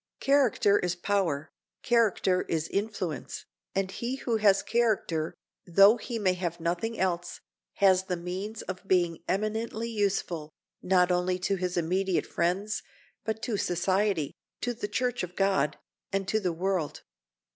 Character is power, character is influence, and he who has character, though he may have nothing else, has the means of being eminently useful, not only to his immediate friends, but to society, to the Church of God, and to the world.